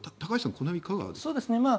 この辺はいかがですか。